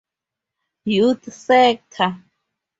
Youth Sector.